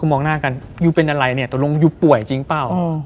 คุณคุณมองหน้ากันยูเป็นอะไรเนี้ยตัวลงยูป่วยจริงเปล่าอืม